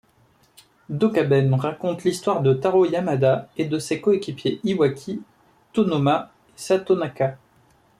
Dokaben raconte l'histoire de Taro Yamada et de ses coéquipiers Iwaki, Tonoma, et Satonaka.